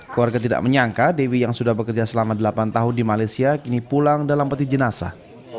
keluarga tidak menyangka dewi yang sudah bekerja selama delapan tahun di malaysia kini pulang dalam peti jenazah